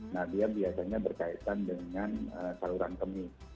nah dia biasanya berkaitan dengan saluran kemis